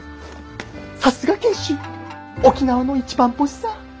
「さすが賢秀沖縄の一番星さ」。